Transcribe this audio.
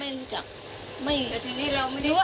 อาจจะเคยเห็นแต่เราไม่รู้จักชื่อ